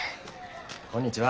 こんにちは。